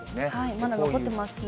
まだ残ってますね。